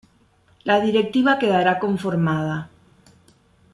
La directiva quedará conformada.